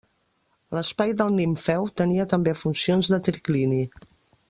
L'espai del nimfeu tenia també funcions de triclini.